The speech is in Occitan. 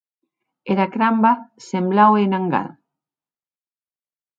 Era cramba semblaue un angar.